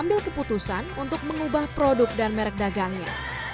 itu konsumen pertama saya